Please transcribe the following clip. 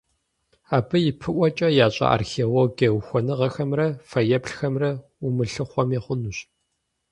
Абы ипэӀуэкӀэ ящӀа археологие ухуэныгъэхэмрэ фэеплъхэмрэ умылъыхъуэми хъунущ.